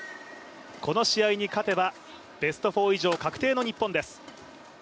この試合に勝てばベスト４以上確定の日本です。